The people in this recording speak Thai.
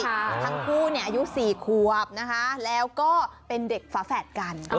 ทั้งคู่อายุ๔ควบนะคะแล้วก็เป็นเด็กฝาแฝดกัน